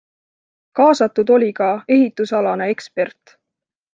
Kaasatud oli ka ehitusalane ekspert.